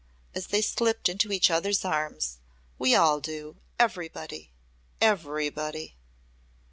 as they slipped into each other's arms. "We all do everybody everybody!"